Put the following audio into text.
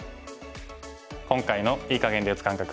今回の“いい”かげんで打つ感覚